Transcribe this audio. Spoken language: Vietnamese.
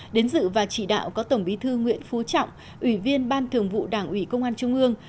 đến dự và chỉ đạo có tổng bí thư nguyễn phú trọng ủy viên ban thường vụ đảng ủy công an trung ương